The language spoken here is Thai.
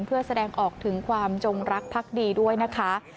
เพื่อแสดงออกถึงความจงรักพักดีด้วยนะคะ